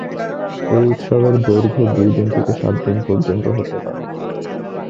এই উৎসবের দৈর্ঘ্য দুই দিন থেকে সাত দিন পর্যন্ত হতে পারে।